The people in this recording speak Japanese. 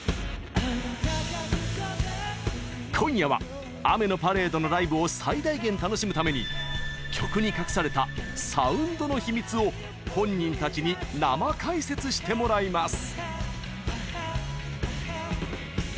今夜は雨のパレードのライブを最大限、楽しむために曲に隠されたサウンドの秘密を本人たちに生解説してもらいます。